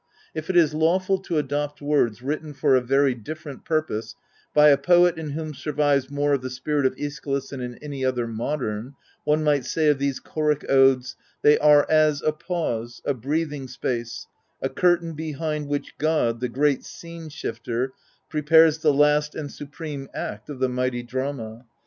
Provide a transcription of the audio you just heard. If it is lawful to adopt words written for a very different purpose by a poet in whom survives more of the spirit of iEschylus than in any other modem — one might say of these choric odes, "They are as a pause, a breathing space, a curtain behind which God, the great scene shifter, prepares the last and supreme act of the mighty drama.